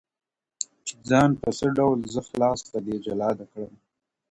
o چي ځان په څه ډول؛ زه خلاص له دې جلاده کړمه.